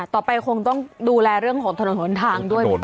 ต่อไปคงต้องดูแลเรื่องของถนนทนทางด้วย